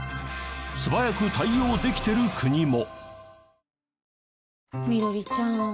素早く対応できてる国も。